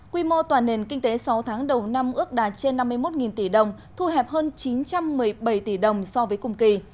quy mô toàn nền kinh tế sáu tháng đầu năm ước đạt trên năm mươi một tỷ đồng thu hẹp hơn chín trăm một mươi bảy tỷ đồng so với cùng kỳ